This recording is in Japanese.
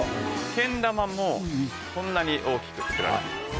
けん玉もこんなに大きく作られてます。